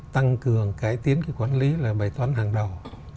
tăng cường cải tiến cái quản lý là bài toán hàng đầu